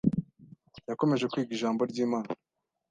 yakomeje kwiga Ijambo ry’Imana